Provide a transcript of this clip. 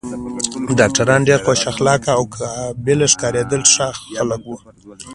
ډاکټران ډېر خوش اخلاقه او قابل ښکارېدل، ښه خلک و.